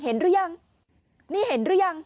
หรือยังนี่เห็นหรือยัง